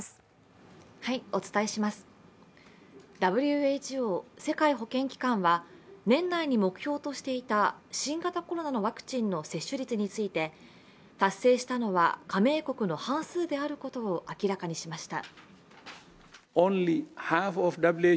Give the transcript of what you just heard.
ＷＨＯ＝世界保健機関は年内に目標としていた新型コロナのワクチンの接種率について達成したのは加盟国の半数であることを明らかにしました。